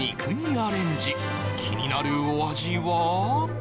アレンジ気になるお味は？